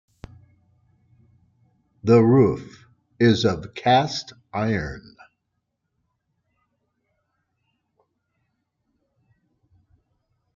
The roof is of cast iron.